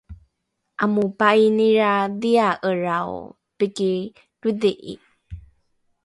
amopa’inilradhia’elrao piki todhi’i